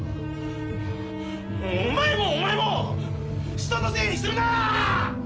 お前もお前も人のせいにするな！